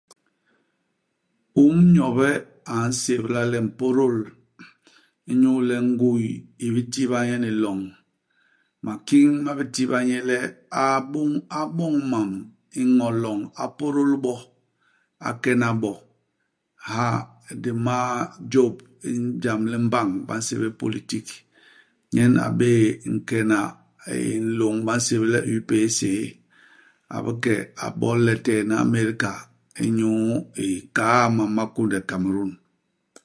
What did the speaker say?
Um Nyobe a nsébla le Mpôdôl inyu le nguy i bitiba nye ni loñ. Makiñ ma bitiba nye le a bôñ a boñ mam i ño u loñ, a pôdôl bo, a kena bo. Ha, di ma jôp i jam li mbañ ba nsébél politik. Nyen a bé'é nkena nn nlôñ ba nsébél le UPC. A bike a bol letee ni i Amérka inyu ikaa mam ma kunde i Kamerun.